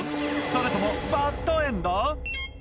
それともバッドエンド？